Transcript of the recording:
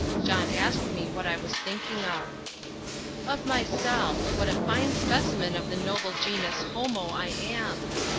John asked me what I was thinking of. "Of myself: what a fine specimen of the noble genus homo I am."